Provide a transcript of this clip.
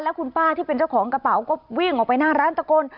คุณป้าที่เป็นเจ้าของกระเป๋าก็วิ่งออกไปหน้าร้านตะโกน